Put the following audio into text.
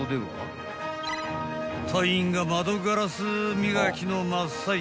［隊員が窓ガラス磨きの真っ最中］